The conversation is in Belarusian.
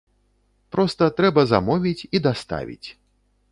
Проста трэба замовіць і даставіць.